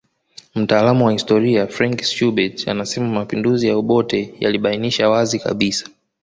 Mtaalamu wa historia Frank Schubert anasema mapinduzi ya Obote yalibainisha wazi kabisa